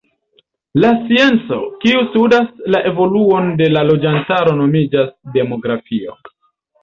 La scienco, kiu studas la evoluon de la loĝantaro nomiĝas demografio.